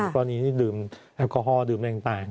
ตอนนี้ดื่มแอลกอฮอล์ดื่มอะไรต่าง